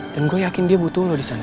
dan gue yakin dia butuh lo disana